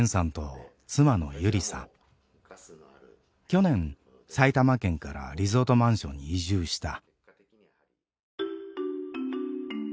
去年埼玉県からリゾートマンションに移住した。